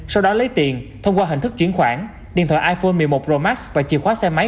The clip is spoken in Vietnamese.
sau đó lấy tiền thông qua hình thức chuyển khoản điện thoại iphone một mươi một pro max